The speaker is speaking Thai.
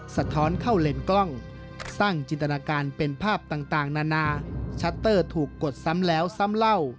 สะท้อนเข้าเลนกล้องสร้างจินตนาการเป็นภาพต่างนานาชัตเตอร์ถูกกดซ้ำแล้วซ้ำเล่า